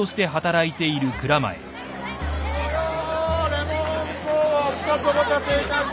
レモンサワー２つお待たせいたしました。